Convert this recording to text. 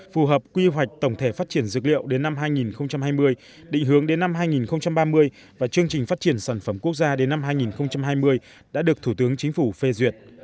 phù hợp quy hoạch tổng thể phát triển dược liệu đến năm hai nghìn hai mươi định hướng đến năm hai nghìn ba mươi và chương trình phát triển sản phẩm quốc gia đến năm hai nghìn hai mươi đã được thủ tướng chính phủ phê duyệt